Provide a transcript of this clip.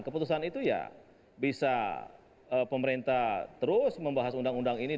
keputusan itu ya bisa pemerintah terus membahas undang undang ini